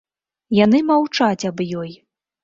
Яны маўчаць аб ёй.